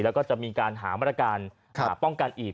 แล้วก็จะมีการหามาตรการป้องกันอีก